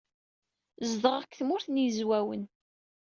Zedɣeɣ deg Tmurt n Yizwawen.